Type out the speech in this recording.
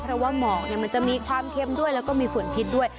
เพราะว่าหมอกมันจะมีความเค็มด้วยแล้วก็มีฝุ่นพิษด้วย